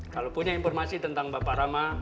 kalau punya informasi tentang bapak rama